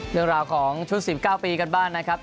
เรื่องราวของชุด๑๙ปีกันบ้างนะครับ